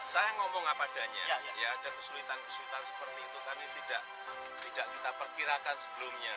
saya ngomong apa adanya ya ada kesulitan kesulitan seperti itu kami tidak kita perkirakan sebelumnya